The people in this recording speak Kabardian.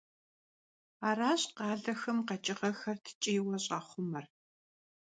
Аращ къалэхэм къэкӀыгъэхэр ткӀийуэ щӀахъумэр.